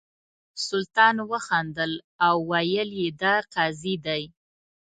سلطان وخندل او ویل یې دا قاضي دی.